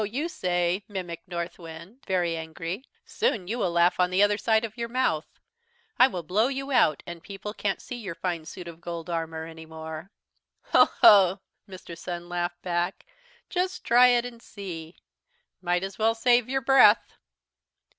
you say,' mimicked Northwind, very angry, 'soon you will laugh on the other side of your mouth. I will blow you out and people can't see your fine suit of gold armour any more.' "'Ho, ho!' Mr. Sun laughed back. 'Just try it and see. Might as well save your breath.'